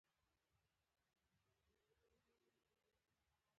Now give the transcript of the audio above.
ډیری هیوادونو د Trade not aid پالیسي خپله کړې.